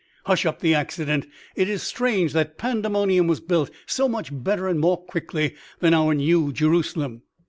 Hush up the accident. It is strange that Pandemonium was built so much better and more quickly than our New Jerusalem!"